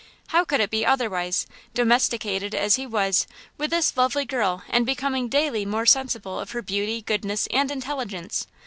How could it be otherwise, domesticated as he was, with this lovely girl and becoming daily more sensible of her beauty, goodness and intelligence?